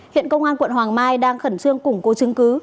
hiện công an quận hoàng mai đang khẩn trương củng cố chứng cứ